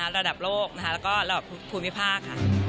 ระดับโลกแล้วก็ระดับภูมิภาคค่ะ